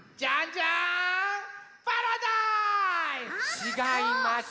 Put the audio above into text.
ちがいます。